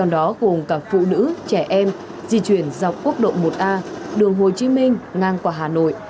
đó gồm cả phụ nữ trẻ em di chuyển dọc quốc độ một a đường hồ chí minh ngang qua hà nội